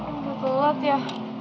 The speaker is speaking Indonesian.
udah telat ya